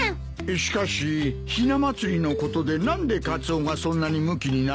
しかしひな祭りのことで何でカツオがそんなにむきになるんだ？